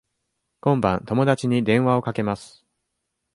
今晩友達に電話をかけます。